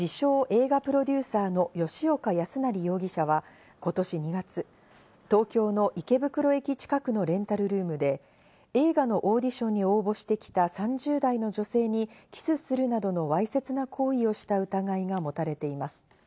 映画プロデューサーの吉岡康成容疑者は今年２月、東京の池袋駅近くのレンタルルームで映画のオーディションに応募してきた３０代の女性にキスするなどのわいせつな行為をした疑いが持たれています。